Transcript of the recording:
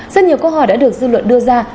rất nhiều câu hỏi đã được dư luận đưa ra